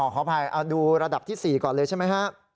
ขออภัยเอาดูระดับที่๔ก่อนเลยใช่ไหมฮะ